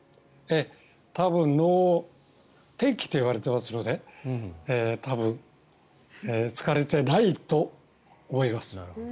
多分能天気といわれていますので多分、疲れてないと思います。